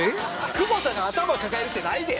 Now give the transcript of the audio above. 久保田が頭を抱えるってないで？